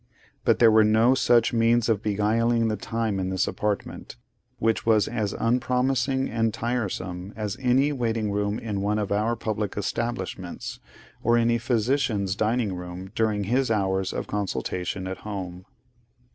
But there were no such means of beguiling the time in this apartment, which was as unpromising and tiresome as any waiting room in one of our public establishments, or any physician's dining room during his hours of consultation at home.